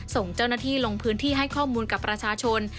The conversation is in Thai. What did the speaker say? ส่งเจ้าหน้าที่ลงพื้นที่ให้ข้อมูลกับประชาชน